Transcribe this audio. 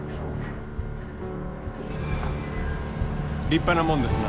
立派なもんですな。